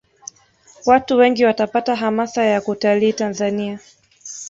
Watu wengi watapata hamasa ya kutalii tanzania